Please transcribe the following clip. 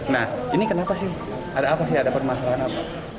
nah ini kenapa sih ada apa sih ada permasalahan apa